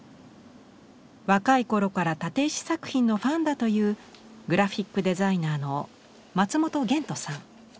若い頃から立石作品のファンだというグラフィックデザイナーの松本弦人さん。